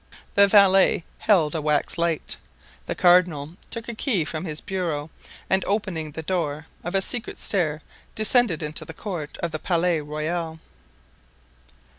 The valet held a wax light; the cardinal took a key from his bureau and opening the door of a secret stair descended into the court of the Palais Royal.